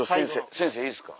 先生いいですか？